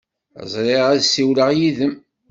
Sriɣ ad ssiwleɣ yid-m.